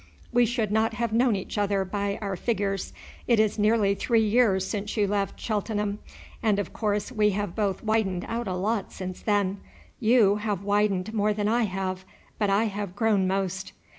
"We should not have known each other by our figures. It is nearly three years since you left Cheltenham, and of course we have both widened out a lot since then. You have widened more than I have, but I have grown most."